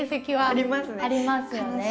ありますよね。